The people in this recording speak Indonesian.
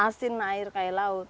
asin air kayak laut